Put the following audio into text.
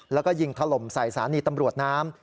แล้วก็ยิงถล่มใส่สถานีตำรวจน้ำ